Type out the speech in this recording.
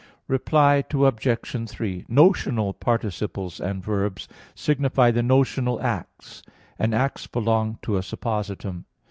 Reply Obj. 3: Notional participles and verbs signify the notional acts: and acts belong to a _suppositum.